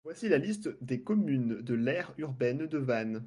Voici la liste des communes de l'aire urbaine de Vannes.